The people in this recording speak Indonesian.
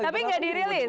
tapi tidak dirilis